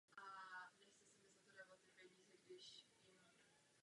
Vlaky byly vypravovány ve třech cestovních třídách.